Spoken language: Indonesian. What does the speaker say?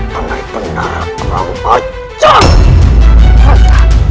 penerbangan perang macam ini